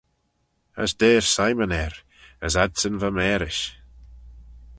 As deiyr Simon er, as adsyn va mârish.